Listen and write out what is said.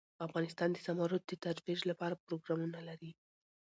افغانستان د زمرد د ترویج لپاره پروګرامونه لري.